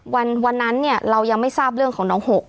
วันนั้นเนี่ยเรายังไม่ทราบเรื่องของน้องหก